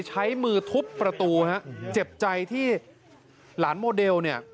ใช้มือทุบประตูฮะเจ็บใจที่หลานโมเดลเนี่ย